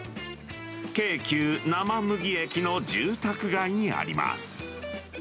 京急なまむぎ駅の住宅街にあります。